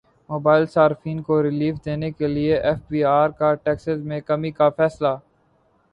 mobile صارفین کو relief دینے کیلئے ایف بی ار کا ٹیکسز میں کمی کا فیصلہ